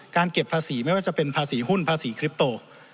เก็บภาษีไม่ว่าจะเป็นภาษีหุ้นภาษีคลิปโต